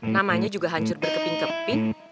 namanya juga hancur berkeping keping